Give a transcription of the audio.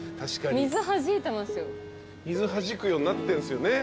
水はじくようになってんすよね？